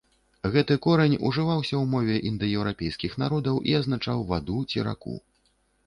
Гэты корань ужываўся ў мове індаеўрапейскіх народаў і азначаў ваду ці, раку.